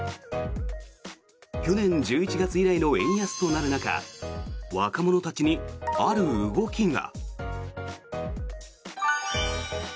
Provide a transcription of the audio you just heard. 去年１１月以来の円安となる中若者たちにある動きが。